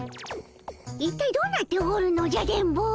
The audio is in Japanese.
一体どうなっておるのじゃ電ボ。